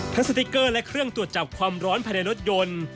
สติ๊กเกอร์และเครื่องตรวจจับความร้อนภายในรถยนต์